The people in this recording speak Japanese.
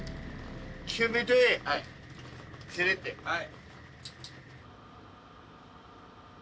はい。